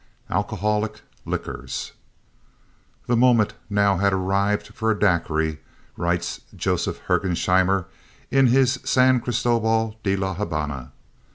Alcoholic Liquors "The moment, now, had arrived for a Daiquiri," writes Joseph Hergesheimer in his San Cristobal de la Habana.